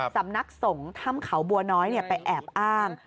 สำนักสงฆ์ถ้ำเขาบัวน้อยไปแอบอ้าง